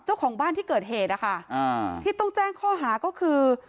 เจ้าของบ้านที่เกิดเหตุนะคะอ่าที่ต้องแจ้งข้อหาก็คือ